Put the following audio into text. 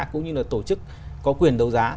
cũng như là tổ chức có quyền đấu giá